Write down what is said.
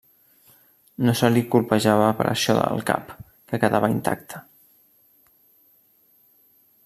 No se li copejava per això el cap, que quedava intacta.